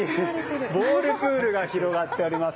ボールプールが広がっています。